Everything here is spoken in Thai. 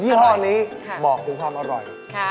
ี่ห้อนี้บอกถึงความอร่อย